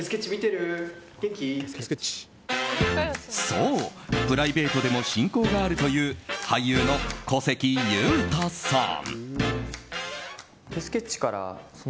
そう、プライベートでも親交があるという俳優の小関裕太さん。